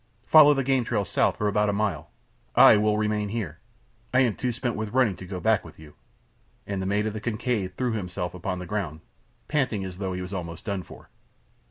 Follow the game trail south for about a mile. I will remain here. I am too spent with running to go back with you," and the mate of the Kincaid threw himself upon the ground, panting as though he was almost done for.